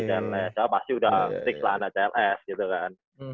saya pasti udah fix lah anak cls gitu kan